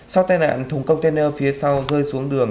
sau tai nạn thùng container phía sau rơi xuống đường